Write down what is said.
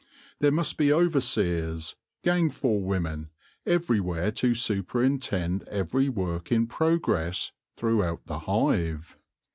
There must be overseers, gang fore women, everywhere to superintend every work in progress throughout the hive.